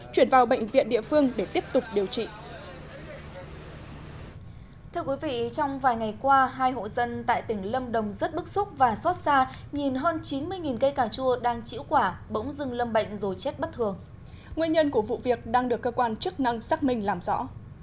thưa quý vị trong vài ngày qua hai hộ dân tại tỉnh lâm đồng rất bức xúc và xót xa nhìn hơn chín mươi cây cà chua đang chĩu quả bỗng dưng lâm bệnh rồi chết bất thường nguyên nhân của vụ việc đang được cơ quan chức năng xác minh làm rõ